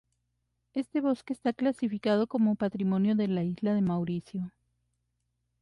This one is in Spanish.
Este bosque está clasificado como patrimonio de la Isla de Mauricio.